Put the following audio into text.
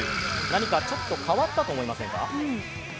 何か、ちょっと変わったと思いませんか？